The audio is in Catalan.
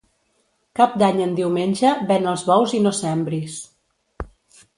Cap d'Any en diumenge, ven els bous i no sembris.